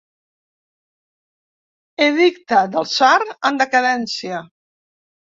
Edicte del tsar en decadència.